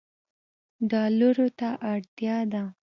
ډالرو ته اړتیا ده